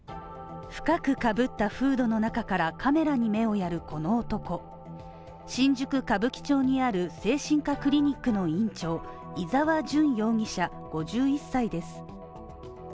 深くかぶったフードの中からカメラに目をやるこの男新宿・歌舞伎町にある精神科クリニックの院長伊沢純容疑者５１歳です。